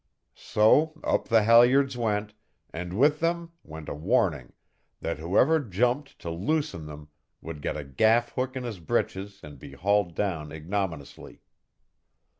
So up the halyards went, and with them went a warning that whoever jumped to loosen them would get a gaff hook in his breeches and be hauled down ignominiously.